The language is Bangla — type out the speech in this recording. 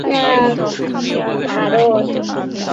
এবং "রান ডেভিল রান"।